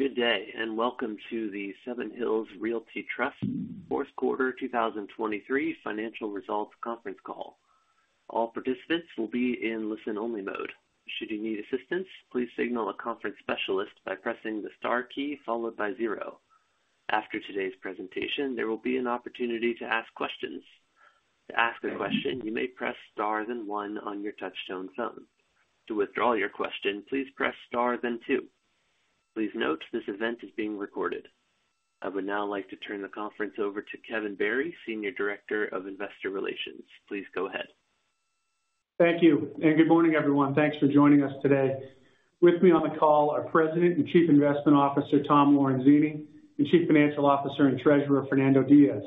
Good day, and welcome to the Seven Hills Realty Trust Fourth Quarter 2023 Financial Results Conference Call. All participants will be in listen-only mode. Should you need assistance, please signal a conference specialist by pressing the star key followed by zero. After today's presentation, there will be an opportunity to ask questions. To ask a question, you may press star, then one on your touchtone phone. To withdraw your question, please press star, then two. Please note, this event is being recorded. I would now like to turn the conference over to Kevin Barry, Senior Director of Investor Relations. Please go ahead. Thank you, and good morning, everyone. Thanks for joining us today. With me on the call are President and Chief Investment Officer, Tom Lorenzini, and Chief Financial Officer and Treasurer, Fernando Diaz.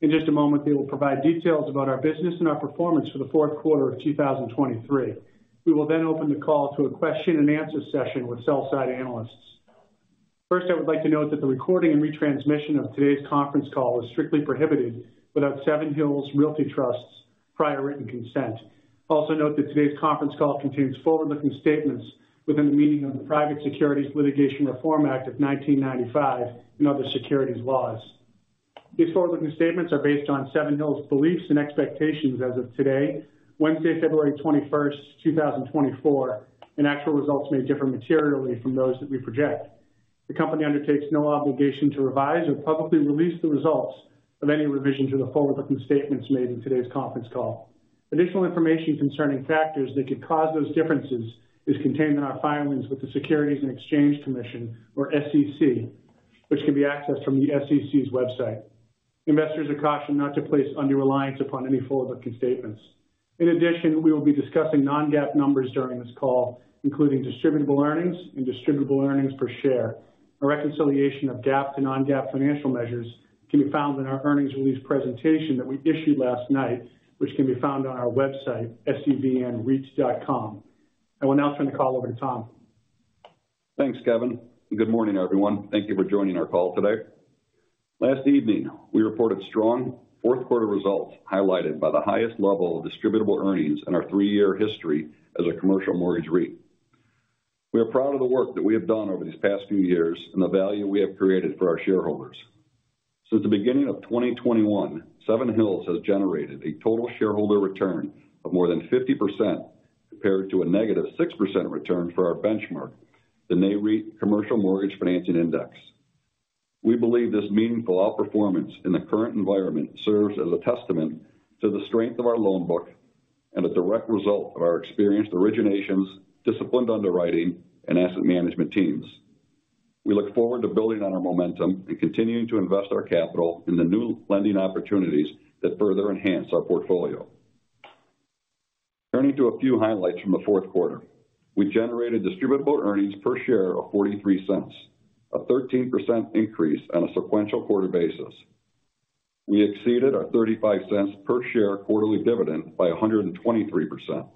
In just a moment, they will provide details about our business and our performance for the fourth quarter of 2023. We will then open the call to a question-and-answer session with sell-side analysts. First, I would like to note that the recording and retransmission of today's conference call is strictly prohibited without Seven Hills Realty Trust's prior written consent. Also note that today's conference call contains forward-looking statements within the meaning of the Private Securities Litigation Reform Act of 1995 and other securities laws. These forward-looking statements are based on Seven Hills' beliefs and expectations as of today, Wednesday, February 21st, 2024, and actual results may differ materially from those that we project. The company undertakes no obligation to revise or publicly release the results of any revision to the forward-looking statements made in today's conference call. Additional information concerning factors that could cause those differences is contained in our filings with the Securities and Exchange Commission, or SEC, which can be accessed from the SEC's website. Investors are cautioned not to place undue reliance upon any forward-looking statements. In addition, we will be discussing non-GAAP numbers during this call, including distributable earnings and distributable earnings per share. A reconciliation of GAAP to non-GAAP financial measures can be found in our earnings release presentation that we issued last night, which can be found on our website, sevnreit.com. I will now turn the call over to Tom. Thanks, Kevin, and good morning, everyone. Thank you for joining our call today. Last evening, we reported strong fourth quarter results, highlighted by the highest level of distributable earnings in our three-year history as a commercial mortgage REIT. We are proud of the work that we have done over these past few years and the value we have created for our shareholders. Since the beginning of 2021, Seven Hills has generated a total shareholder return of more than 50%, compared to a negative 6% return for our benchmark, the Nareit Commercial Mortgage Financing Index. We believe this meaningful outperformance in the current environment serves as a testament to the strength of our loan book and a direct result of our experienced originations, disciplined underwriting, and asset management teams. We look forward to building on our momentum and continuing to invest our capital in the new lending opportunities that further enhance our portfolio. Turning to a few highlights from the fourth quarter. We generated distributable earnings per share of $0.43, a 13% increase on a sequential quarter basis. We exceeded our $0.35 per share quarterly dividend by 123%.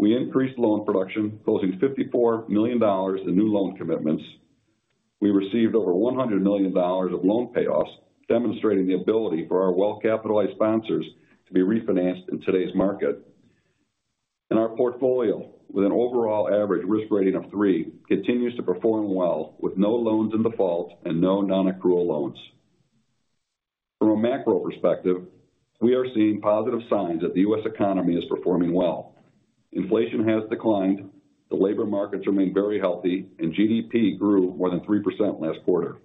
We increased loan production, closing $54 million in new loan commitments. We received over $100 million of loan payoffs, demonstrating the ability for our well-capitalized sponsors to be refinanced in today's market. Our portfolio, with an overall average risk rating of three, continues to perform well, with no loans in default and no non-accrual loans. From a macro perspective, we are seeing positive signs that the U.S. economy is performing well. Inflation has declined, the labor markets remain very healthy, and GDP grew more than 3% last quarter.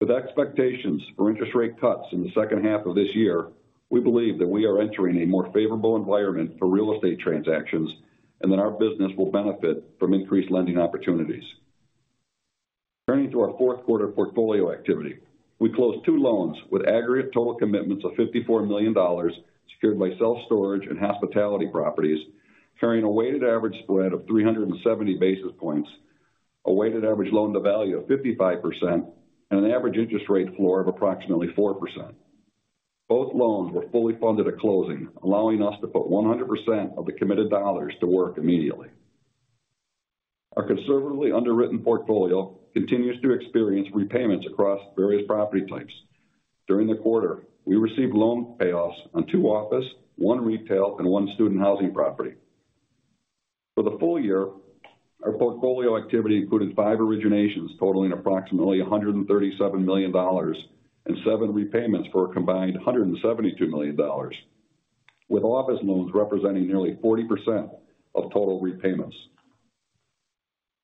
With expectations for interest rate cuts in the second half of this year, we believe that we are entering a more favorable environment for real estate transactions and that our business will benefit from increased lending opportunities. Turning to our fourth quarter portfolio activity. We closed two loans with aggregate total commitments of $54 million, secured by self-storage and hospitality properties, carrying a weighted average spread of 370 basis points, a weighted average loan to value of 55%, and an average interest rate floor of approximately 4%. Both loans were fully funded at closing, allowing us to put 100% of the committed dollars to work immediately. Our conservatively underwritten portfolio continues to experience repayments across various property types. During the quarter, we received loan payoffs on two office, one retail, and one student housing property. For the full year, our portfolio activity included 5 originations, totaling approximately $137 million, and 7 repayments for a combined $172 million, with office loans representing nearly 40% of total repayments.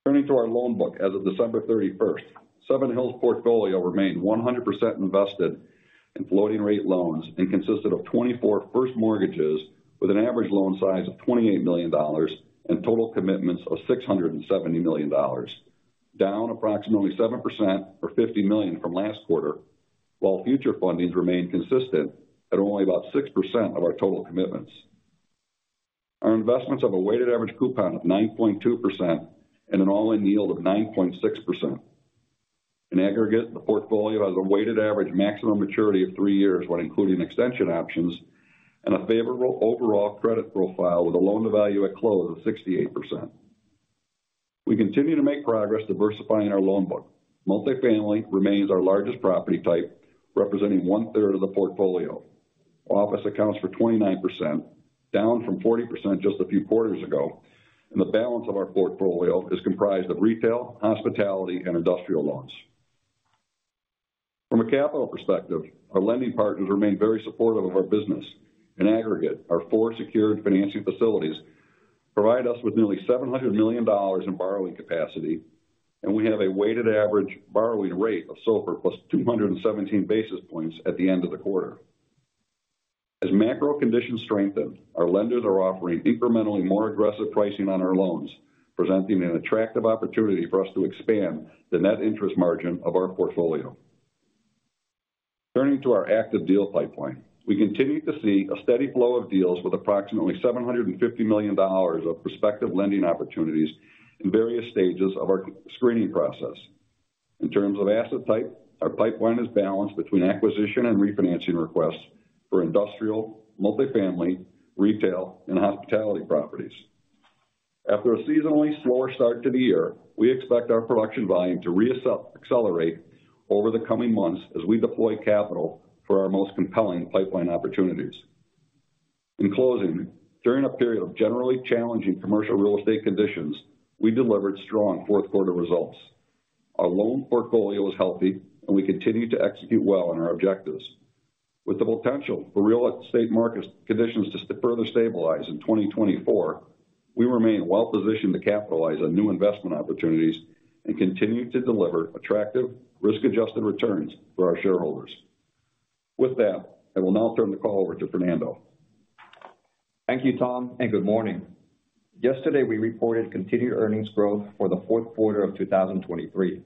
Turning to our loan book. As of December 31st, Seven Hills' portfolio remained 100% invested in floating-rate loans and consisted of 24 first mortgages, with an average loan size of $28 million and total commitments of $670 million, down approximately 7% or $50 million from last quarter, while future fundings remain consistent at only about 6% of our total commitments. Our investments have a weighted average coupon of 9.2% and an all-in yield of 9.6%. In aggregate, the portfolio has a weighted average maximum maturity of 3 years, when including extension options, and a favorable overall credit profile, with a loan to value at close of 68%. We continue to make progress diversifying our loan book. Multifamily remains our largest property type, representing one-third of the portfolio.... Office accounts for 29%, down from 40% just a few quarters ago, and the balance of our portfolio is comprised of retail, hospitality, and industrial loans. From a capital perspective, our lending partners remain very supportive of our business. In aggregate, our 4 secured financing facilities provide us with nearly $700 million in borrowing capacity, and we have a weighted average borrowing rate of SOFR + 217 basis points at the end of the quarter. As macro conditions strengthen, our lenders are offering incrementally more aggressive pricing on our loans, presenting an attractive opportunity for us to expand the net interest margin of our portfolio. Turning to our active deal pipeline, we continue to see a steady flow of deals with approximately $750 million of prospective lending opportunities in various stages of our screening process. In terms of asset type, our pipeline is balanced between acquisition and refinancing requests for industrial, multifamily, retail, and hospitality properties. After a seasonally slower start to the year, we expect our production volume to accelerate over the coming months as we deploy capital for our most compelling pipeline opportunities. In closing, during a period of generally challenging commercial real estate conditions, we delivered strong fourth quarter results. Our loan portfolio is healthy, and we continue to execute well on our objectives. With the potential for real estate market conditions to further stabilize in 2024, we remain well positioned to capitalize on new investment opportunities and continue to deliver attractive risk-adjusted returns for our shareholders. With that, I will now turn the call over to Fernando. Thank you, Tom, and good morning. Yesterday, we reported continued earnings growth for the fourth quarter of 2023.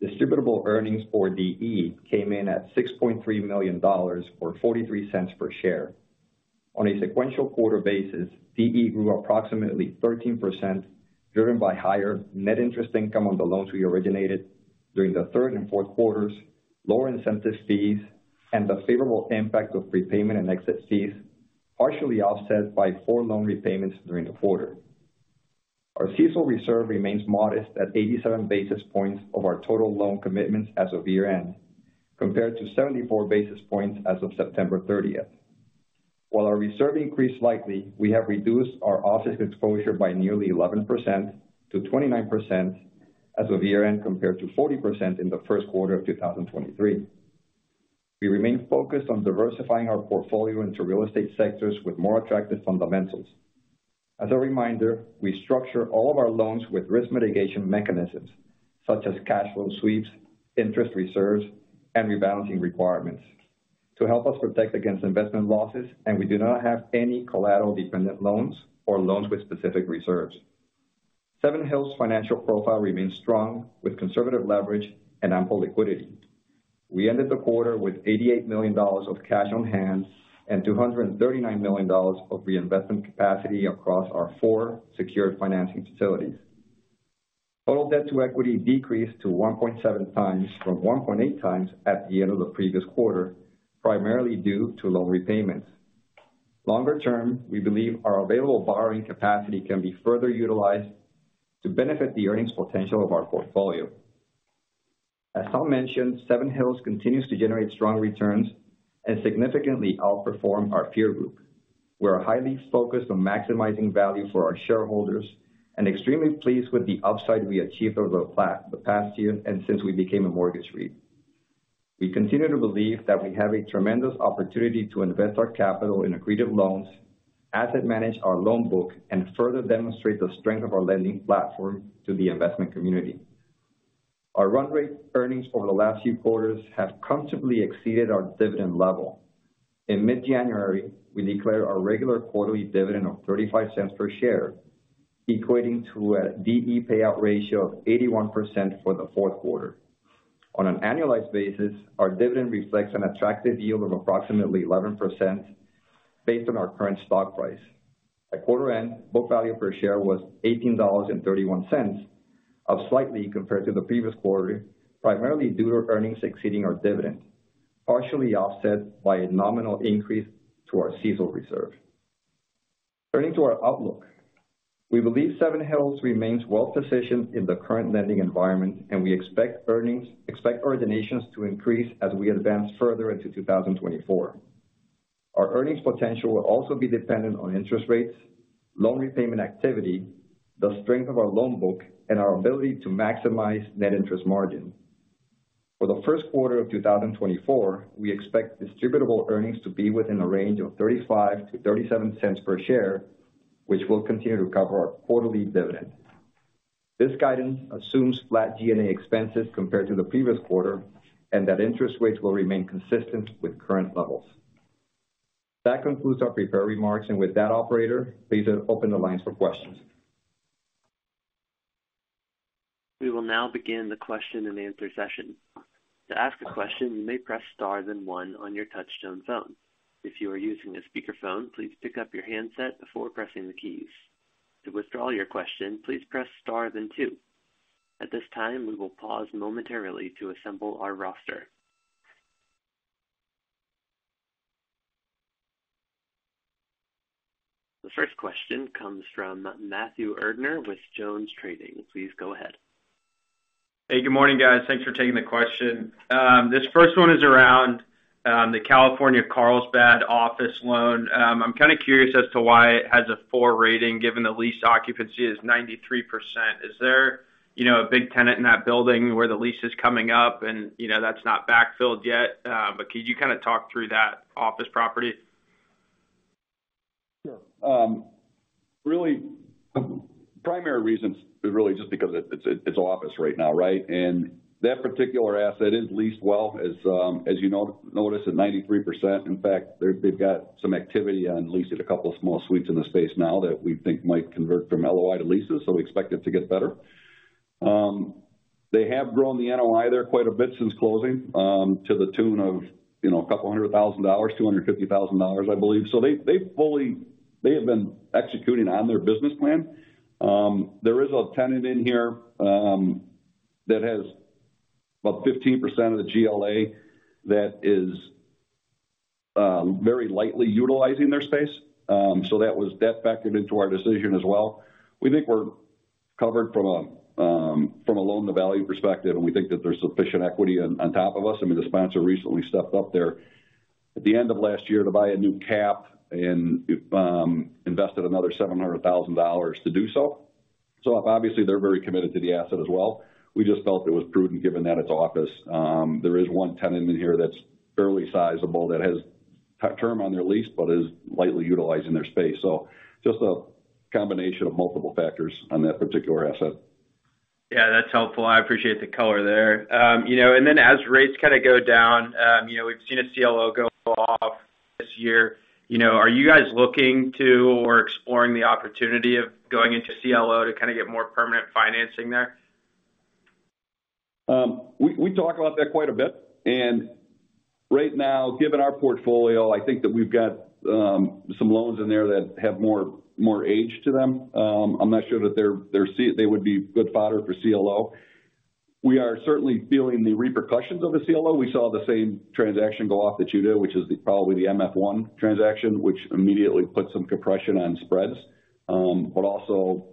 Distributable earnings or DE came in at $6.3 million, or $0.43 per share. On a sequential quarter basis, DE grew approximately 13%, driven by higher net interest income on the loans we originated during the third and fourth quarters, lower incentive fees, and the favorable impact of prepayment and exit fees, partially offset by 4 loan repayments during the quarter. Our CECL reserve remains modest at 87 basis points of our total loan commitments as of year-end, compared to 74 basis points as of September 30th. While our reserve increased slightly, we have reduced our office exposure by nearly 11% to 29% as of year-end, compared to 40% in the first quarter of 2023. We remain focused on diversifying our portfolio into real estate sectors with more attractive fundamentals. As a reminder, we structure all of our loans with risk mitigation mechanisms such as cash flow sweeps, interest reserves, and rebalancing requirements to help us protect against investment losses, and we do not have any collateral-dependent loans or loans with specific reserves. Seven Hills' financial profile remains strong, with conservative leverage and ample liquidity. We ended the quarter with $88 million of cash on hand and $239 million of reinvestment capacity across our four secured financing facilities. Total debt to equity decreased to 1.7 times from 1.8 times at the end of the previous quarter, primarily due to loan repayments. Longer term, we believe our available borrowing capacity can be further utilized to benefit the earnings potential of our portfolio. As Tom mentioned, Seven Hills continues to generate strong returns and significantly outperform our peer group. We are highly focused on maximizing value for our shareholders and extremely pleased with the upside we achieved over the past year and since we became a mortgage REIT. We continue to believe that we have a tremendous opportunity to invest our capital in accretive loans, asset manage our loan book, and further demonstrate the strength of our lending platform to the investment community. Our run rate earnings over the last few quarters have comfortably exceeded our dividend level. In mid-January, we declared our regular quarterly dividend of $0.35 per share, equating to a DE payout ratio of 81% for the fourth quarter. On an annualized basis, our dividend reflects an attractive yield of approximately 11% based on our current stock price. At quarter end, book value per share was $18.31, up slightly compared to the previous quarter, primarily due to earnings exceeding our dividend, partially offset by a nominal increase to our CECL reserve. Turning to our outlook, we believe Seven Hills remains well positioned in the current lending environment, and we expect originations to increase as we advance further into 2024. Our earnings potential will also be dependent on interest rates, loan repayment activity, the strength of our loan book, and our ability to maximize net interest margin. For the first quarter of 2024, we expect distributable earnings to be within a range of $0.35-$0.37 per share, which will continue to cover our quarterly dividend. This guidance assumes flat G&A expenses compared to the previous quarter, and that interest rates will remain consistent with current levels. That concludes our prepared remarks, and with that, operator, please open the lines for questions. We will now begin the question-and-answer session. To ask a question, you may press star then one on your touchtone phone. If you are using a speakerphone, please pick up your handset before pressing the keys. To withdraw your question, please press star then two. At this time, we will pause momentarily to assemble our roster. ...The first question comes from Matthew Erdner with JonesTrading. Please go ahead. Hey, good morning, guys. Thanks for taking the question. This first one is around the Carlsbad, California office loan. I'm kind of curious as to why it has a 4 rating, given the lease occupancy is 93%. Is there, you know, a big tenant in that building where the lease is coming up and, you know, that's not backfilled yet? But could you kind of talk through that office property? Sure. Really, primary reason is really just because it's an office right now, right? And that particular asset is leased well, as you noticed, at 93%. In fact, they've got some activity on leasing a couple of small suites in the space now that we think might convert from LOI to leases, so we expect it to get better. They have grown the NOI there quite a bit since closing, to the tune of, you know, $200,000, $250,000, I believe. So they have been executing on their business plan. There is a tenant in here that has about 15% of the GLA that is very lightly utilizing their space. So that factored into our decision as well. We think we're covered from a, from a loan-to-value perspective, and we think that there's sufficient equity on top of us. I mean, the sponsor recently stepped up there at the end of last year to buy a new cap and invested another $700,000 to do so. So obviously, they're very committed to the asset as well. We just felt it was prudent, given that it's office. There is one tenant in here that's fairly sizable that has term on their lease but is lightly utilizing their space. So just a combination of multiple factors on that particular asset. Yeah, that's helpful. I appreciate the color there. You know, and then as rates kind of go down, you know, we've seen a CLO go off this year. You know, are you guys looking to or exploring the opportunity of going into CLO to kind of get more permanent financing there? We talk about that quite a bit, and right now, given our portfolio, I think that we've got some loans in there that have more age to them. I'm not sure that they're CLO. They would be good fodder for CLO. We are certainly feeling the repercussions of a CLO. We saw the same transaction go off that you did, which is probably the MF1 transaction, which immediately puts some compression on spreads, but also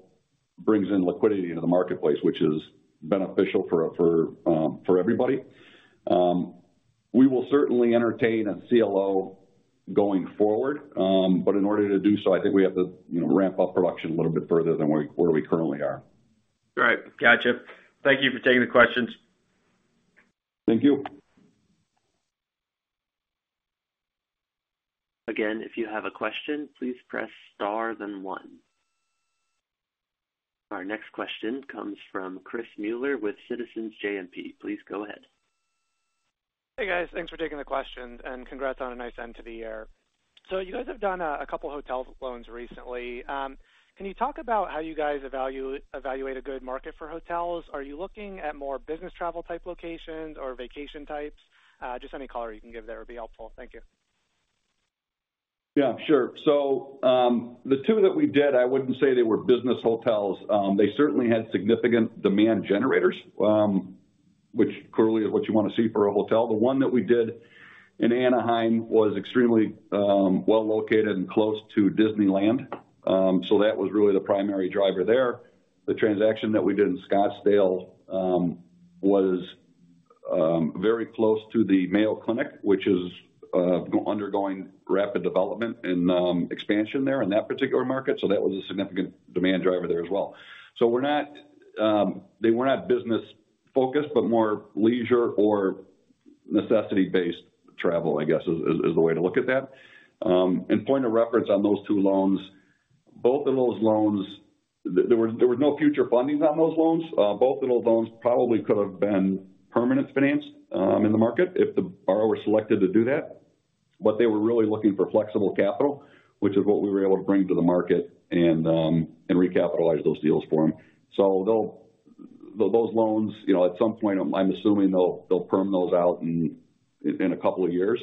brings in liquidity into the marketplace, which is beneficial for everybody. We will certainly entertain a CLO going forward. But in order to do so, I think we have to, you know, ramp up production a little bit further than where we currently are. Right. Gotcha. Thank you for taking the questions. Thank you. Again, if you have a question, please press Star then One. Our next question comes from Chris Muller with Citizens JMP. Please go ahead. Hey, guys. Thanks for taking the questions, and congrats on a nice end to the year. So you guys have done a couple hotel loans recently. Can you talk about how you guys evaluate a good market for hotels? Are you looking at more business travel-type locations or vacation types? Just any color you can give there would be helpful. Thank you. Yeah, sure. So, the two that we did, I wouldn't say they were business hotels. They certainly had significant demand generators, which clearly is what you want to see for a hotel. The one that we did in Anaheim was extremely, well located and close to Disneyland, so that was really the primary driver there. The transaction that we did in Scottsdale was very close to the Mayo Clinic, which is undergoing rapid development and expansion there in that particular market, so that was a significant demand driver there as well. So we're not, they were not business-focused, but more leisure or necessity-based travel, I guess, is the way to look at that. And point of reference on those two loans, both of those loans, there were no future fundings on those loans. Both of those loans probably could have been permanent financed in the market if the borrower selected to do that, but they were really looking for flexible capital, which is what we were able to bring to the market and recapitalize those deals for them. So they'll... Those loans, you know, at some point, I'm assuming they'll perm those out in a couple of years.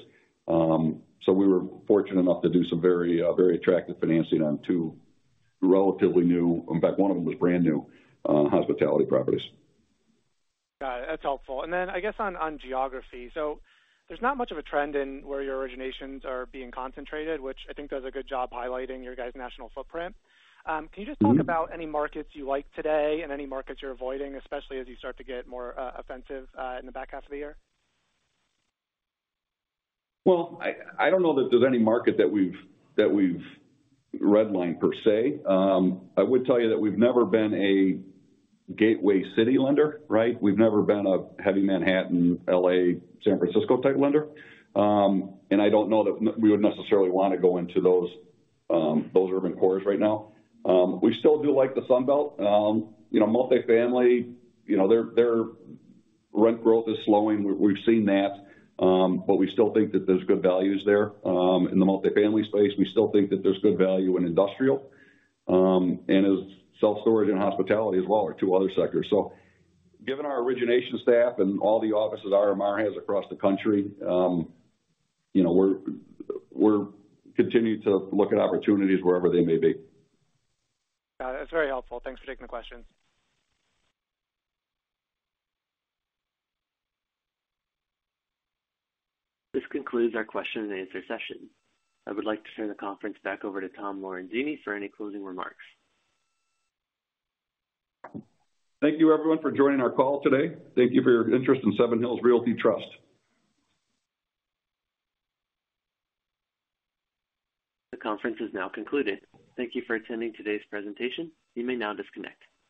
So we were fortunate enough to do some very, very attractive financing on two relatively new, in fact, one of them was brand-new, hospitality properties. Got it. That's helpful. And then I guess on geography. So there's not much of a trend in where your originations are being concentrated, which I think does a good job highlighting your guys' national footprint. Can you just talk about any markets you like today and any markets you're avoiding, especially as you start to get more offensive in the back half of the year? Well, I don't know that there's any market that we've redlined per se. I would tell you that we've never been a gateway city lender, right? We've never been a heavy Manhattan, L.A., San Francisco-type lender. And I don't know that we would necessarily want to go into those those urban cores right now. We still do like the Sun Belt. You know, multifamily, you know, their rent growth is slowing. We've seen that, but we still think that there's good values there, in the multifamily space. We still think that there's good value in industrial, and as self-storage and hospitality as well, are two other sectors. So given our origination staff and all the offices RMR has across the country, you know, we're continuing to look at opportunities wherever they may be. Got it. That's very helpful. Thanks for taking the question. This concludes our question and answer session. I would like to turn the conference back over to Tom Lorenzini for any closing remarks. Thank you, everyone, for joining our call today. Thank you for your interest in Seven Hills Realty Trust. The conference is now concluded. Thank you for attending today's presentation. You may now disconnect.